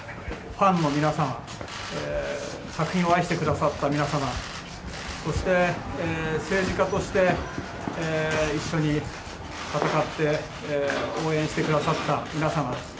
ファンの皆さん作品を愛してくださった皆様そして、政治家として一緒に戦って応援してくださった皆様